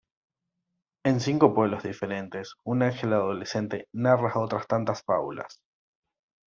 En cinco pueblos diferentes un ángel adolescente narra otras tantas fábulas.